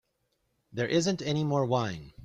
There isn't any more wine.